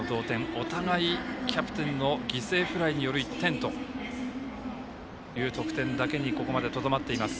お互いキャプテンの犠牲フライによる１点という得点だけに、ここまでとどまっています。